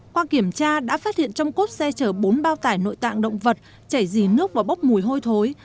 qua kiểm tra đã phát hiện trong cốp xe chở bốn bao tải nội tạng động vật chảy dì nước và bốc mùi hôi thối